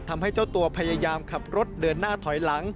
ทำให้เจ้าตัวพยายามขับรถเดินหน้าถอยหลัง